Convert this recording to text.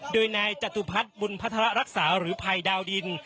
โดยนายจตุพัฒน์บุญพัฒระรักษาหรือภัยดาวดิน